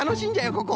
ここ。